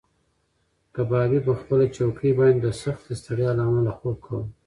کبابي په خپله چوکۍ باندې د سختې ستړیا له امله خوب کاوه.